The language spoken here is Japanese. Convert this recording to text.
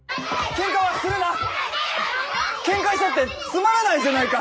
喧嘩したってつまらないじゃないか！